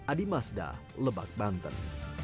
adi mazda lebak banten